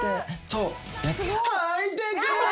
そう。